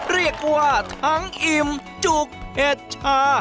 เรียกว่าทั้งอิ่มจุกเผ็ดชา